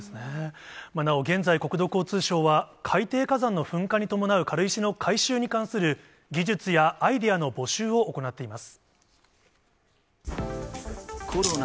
なお、現在、国土交通省は海底火山の噴火に伴う軽石の回収に関する技術やアイデアの募集を行っています。